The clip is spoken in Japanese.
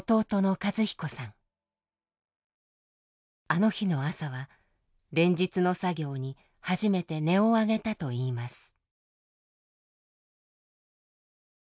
あの日の朝は連日の作業に初めて音を上げたといいます。